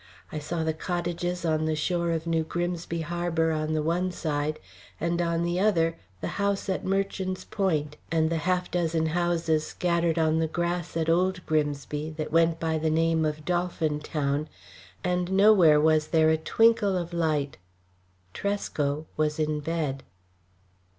I saw the cottages on the shore of New Grimsby harbour on the one side, and on the other the house at Merchant's Point, and the half dozen houses scattered on the grass at Old Grimsby, that went by the name of Dolphin Town, and nowhere was there a twinkle of light. Tresco was in bed.